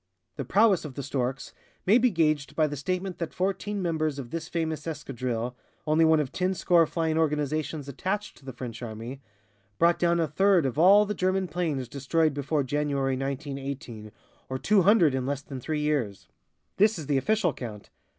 The prowess of The Storks may be gauged by the statement that fourteen members of this famous escadrille, (only one of ten score flying organizations attached to the French army), brought down a third of all the German planes destroyed before January, 1918, or two hundred in less than three years. This is the official count.